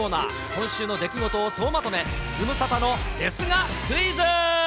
今週の出来事を総まとめ、ズムサタのですがクイズ。